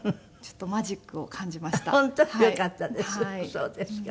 そうですか。